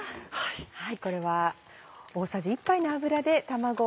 これは大さじ１杯の油で卵を。